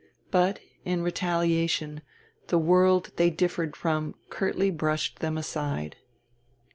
But, in retaliation, the world they differed from curtly brushed them aside.